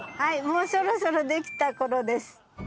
もうそろそろできた頃です。